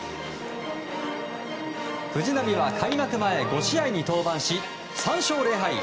藤浪は開幕前５試合に登板し３勝０敗。